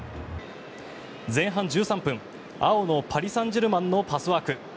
前半１３分青のパリ・サンジェルマンのパスワーク。